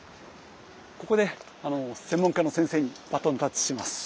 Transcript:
ここで専門家の先生にバトンタッチします。